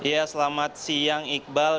ya selamat siang iqbal